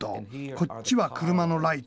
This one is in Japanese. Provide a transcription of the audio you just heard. こっちは車のライト。